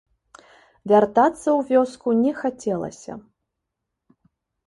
Вяртацца ў вёску не хацелася.